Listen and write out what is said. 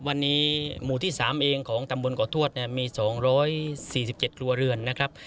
วันนี้หมู่ที่สามเองของตำบลเกาะทวดเนี่ยมีสองร้อยสี่สิบเจ็ดครัวเรือนนะครับ